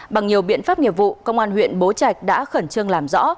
bằng nhiều biện pháp nghiệp vụ công an huyện bố trạch đã khẩn trương làm rõ